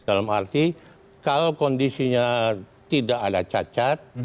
dalam arti kalau kondisinya tidak ada cacat